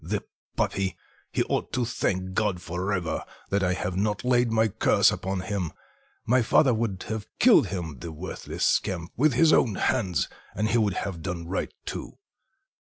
"The puppy, he ought to thank God for ever that I have not laid my curse upon him; my father would have killed him, the worthless scamp, with his own hands, and he would have done right too."